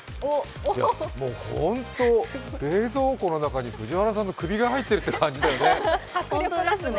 ホント、冷蔵庫の中に藤原さんの首が入ってる感じですね。